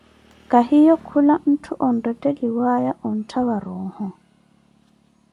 Kahiye kula etthu onretteliwaaya oottha varoho.